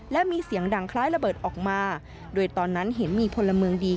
และมีเสียงดังคล้ายระเบิดออกมาโดยตอนนั้นเห็นมีพลเมืองดี